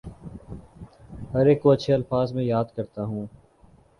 ہر ایک کو اچھے الفاظ میں یاد کرتا ہوں